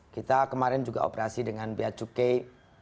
kita kemarin juga operasi dengan bia cukai